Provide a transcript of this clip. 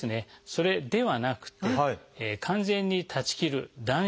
それではなくて完全に断ち切る断酒